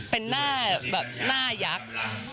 เป็นหน้าแบบหน้ายักษ์